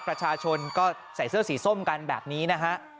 ประชาชนก็ใส่เสื้อสีส้มกันแบบนี้นะฮะ